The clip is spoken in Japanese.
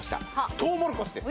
トウモロコシです。